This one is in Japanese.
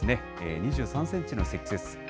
２３センチの積雪。